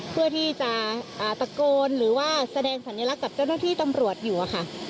เพื่อที่จะตะโกนหรือว่าแสดงสัญลักษณ์กับเจ้าหน้าที่ตำรวจอยู่อะค่ะ